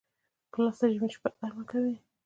ګیلاس د ژمي شپه ګرمه کوي.